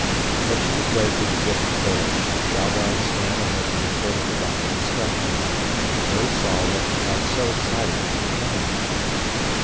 Pushing his way through the drifting foliage, Dalgard swam ahead to the foot of the rocky escarpment. And there he saw what had so excited his companion.